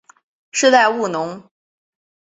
世代务农。